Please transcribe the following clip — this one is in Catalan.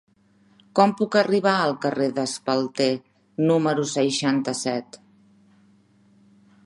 Com puc arribar al carrer d'Espalter número seixanta-set?